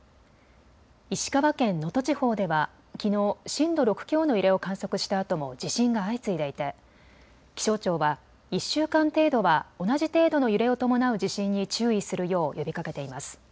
石川県能登地方では、きのう震度６強の揺れを観測したあとも地震が相次いでいて気象庁は１週間程度は同じ程度の揺れを伴う地震に注意するよう呼びかけています。